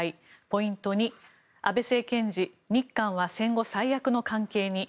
ポイント２、安倍政権時日韓は戦後最悪の関係に。